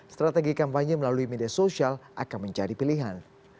strategi kampanye melalui media sosial akan menjadi pilihan